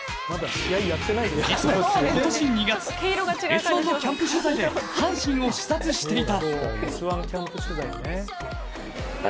実は今年２月「Ｓ☆１」のキャンプ取材で阪神を視察していた。